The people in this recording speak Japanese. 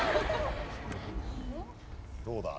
どうだ？